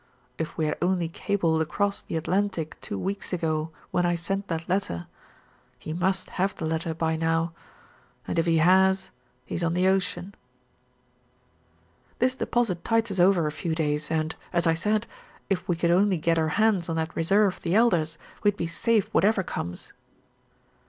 If we had only cabled across the Atlantic two weeks ago when I sent that letter he must have the letter by now and if he has, he's on the ocean." "This deposit tides us over a few days, and, as I said, if we could only get our hands on that reserve of the Elder's, we'd be safe whatever comes."